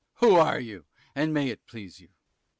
_ Who are you, and may it please you?